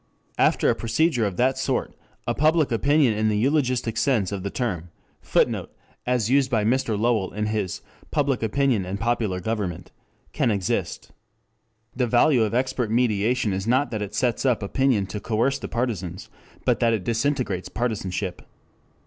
After a procedure of that sort, a public opinion in the eulogistic sense of the term [Footnote: As used by Mr. Lowell in his Public Opinion and Popular Government.] can exist. The value of expert mediation is not that it sets up opinion to coerce the partisans, but that it disintegrates partisanship.